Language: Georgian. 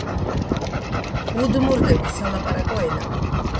უდმურტების სალაპარაკო ენა.